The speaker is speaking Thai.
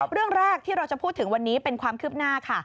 เรื่องแรกที่เราจะพูดถึงวันนี้เป็นความคืบหน้าค่ะ